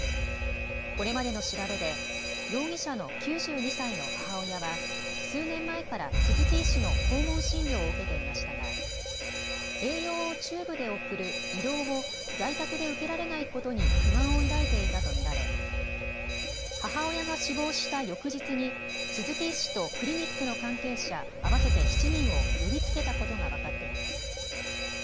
これまでの調べで容疑者の９２歳の母親は数年前から鈴木医師の訪問診療を受けていましたが、栄養をチューブで送る胃ろうを在宅で受けられないことに不満を抱いていたと見られ母親が死亡した翌日に鈴木医師とクリニックの関係者合わせて７人を呼びつけたことが分かっています。